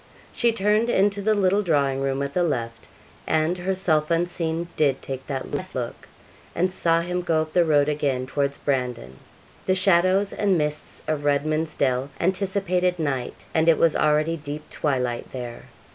She turned into the little drawing room at the left, and, herself unseen, did take that last look, and saw him go up the road again towards Brandon. The shadows and mists of Redman's Dell anticipated night, and it was already deep twilight there.